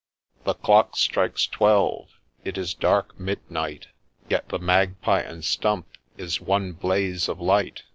' The clock strikes Twelve — it is dark midnight — Yet the Magpie and Stump is one blaze of light.